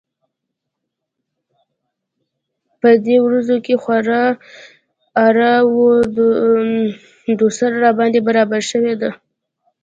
په دې ورځو کې خورا اره و دوسره راباندې برابره شوې ده.